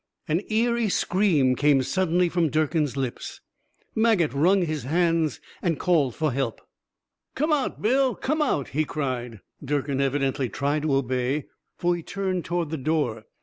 An eery scream came suddenly from Durkin's lips; Maget wrung his hands and called for help. "Come out, Bill, come out," he cried. Durkin evidently tried to obey, for he turned toward the door.